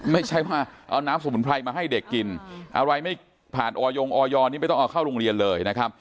ไม่ใช่ว่าเอาน้ำสมุนไพรมาให้เด็กกินอะไรไม่ผ่านออยงออยนี่ไม่ต้องเอาเข้าโรงเรียนเลยนะครับ